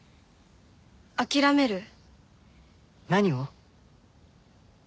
諦める？何を？